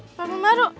ah parfum baru